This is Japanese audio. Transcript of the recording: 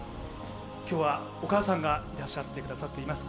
今日はお母さんがいらっしゃっていただいています。